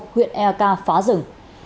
huyện e a k phá rừng